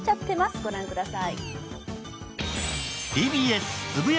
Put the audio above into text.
ご覧ください。